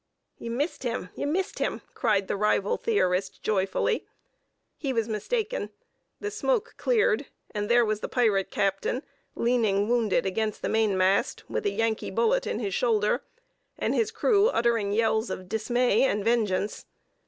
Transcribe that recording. "Ye missed him! Ye missed him!" cried the rival theorist, joyfully. He was mistaken: the smoke cleared, and there was the pirate captain leaning wounded against the mainmast with a Yankee bullet in his shoulder, and his crew uttering yells of dismay and vengeance.